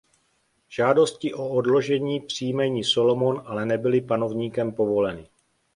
Žádosti o odložení příjmení Salomon ale nebyly panovníkem povoleny.